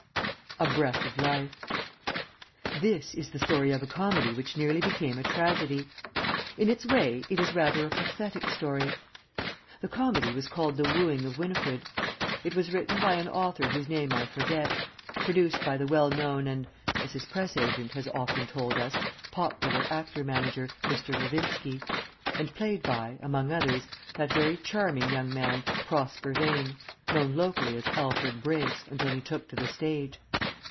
A BREATH OF LIFE This is the story of a comedy which nearly became a tragedy. In its way it is rather a pathetic story. The comedy was called The Wooing of Winifred. It was written by an author whose name I forget; produced by the well known and (as his press agent has often told us) popular actor manager, Mr. Levinski; and played by (among others) that very charming young man, Prosper Vane known locally as Alfred Briggs until he took to the stage.